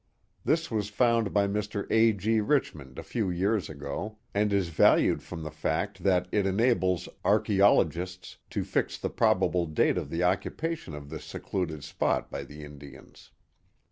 This was found by Mr. A. G. Richmond a few years ago, and is valued from the fact that it enables archaeologists to fix the probable date of the occupation of this secluded spot by the Indians.